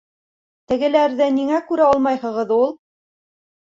—Тегеләрҙе ниңә күрә алмайһығыҙ ул?